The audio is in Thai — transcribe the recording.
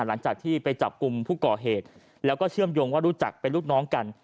หลังจากที่ไปจับกลุ่มผู้ก่อเหตุแล้วก็เชื่อมโยงว่ารู้จักเป็นลูกน้องกัน